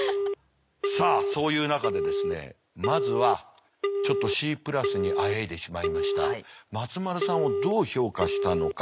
さあそういう中でまずはちょっとＣプラスにあえいでしまいました松丸さんをどう評価したのか。